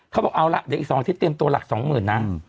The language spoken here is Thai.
เขาบอกเอาละเดี๋ยวอีก๒อาทิตยเตรียมตัวหลัก๒๐๐๐นะ